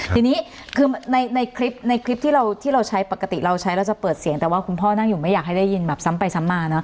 ทีนี้คือในคลิปในคลิปที่เราใช้ปกติเราใช้เราจะเปิดเสียงแต่ว่าคุณพ่อนั่งอยู่ไม่อยากให้ได้ยินแบบซ้ำไปซ้ำมาเนอ